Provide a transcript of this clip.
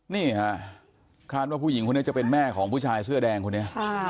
นี่ค่ะคาดว่าผู้หญิงคนนี้จะเป็นแม่ของผู้ชายเสื้อแดงคนนี้